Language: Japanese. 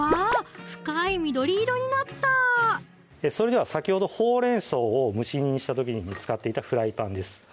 深い緑色になったそれでは先ほどほうれん草を蒸し煮にした時に使っていたフライパンです